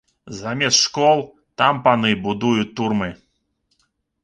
Замест школ там паны будуюць турмы.